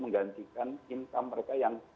menggantikan income mereka yang